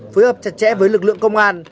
phối hợp chặt chẽ với lực lượng công an